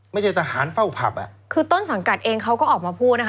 ไม่ใช่ทหารเฝ้าผับอ่ะคือต้นสังกัดเองเขาก็ออกมาพูดนะคะ